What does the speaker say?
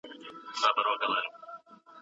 آیا د ملکیار هوتک په اړه نور څېړنیز کارونه شوي دي؟